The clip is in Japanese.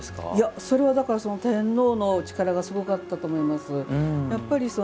それは、天皇の力がすごかったと思います。